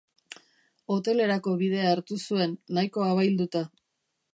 Hotelerako bidea hartu zuen, nahiko abailduta.